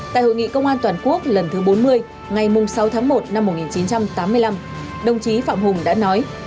tại hội nghị công an toàn quốc lần thứ bốn mươi ngày sáu tháng một năm một nghìn chín trăm tám mươi năm đồng chí phạm hùng đã nói